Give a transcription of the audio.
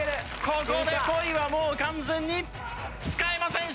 ここでポイはもう完全に使えません。